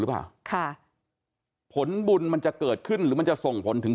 หรือเปล่าค่ะผลบุญมันจะเกิดขึ้นหรือมันจะส่งผลถึง